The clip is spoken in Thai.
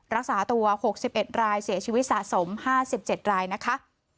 รักษาตัวหกสิบเอ็ดรายเสียชีวิตสะสมห้าสิบเจ็ดรายนะคะ